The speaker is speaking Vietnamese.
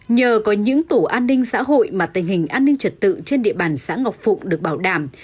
nhờ có những tổ an ninh xã hội mà tình hình an ninh trật tự trên địa bàn xã ngọc phụng được bảo đảm